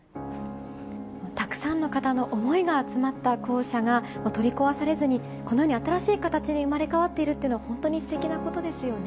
たくさんの方の思いが詰まった校舎が取り壊されずに、このように新しい形に生まれ変わっているというのは、本当にすてきなことですよね。